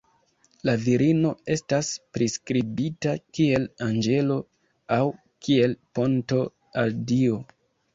La virino estas priskribita kiel 'anĝelo' aŭ kiel 'ponto al Dio'.